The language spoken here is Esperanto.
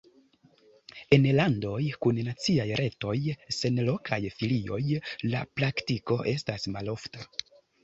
En landoj kun naciaj retoj sen lokaj filioj la praktiko estas malofta.